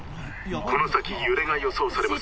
この先揺れが予想されます